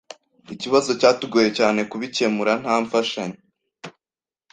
Ikibazo cyatugoye cyane kubikemura nta mfashanyo.